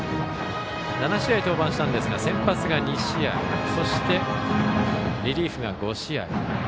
７試合登板して、先発が２試合そしてリリーフが５試合。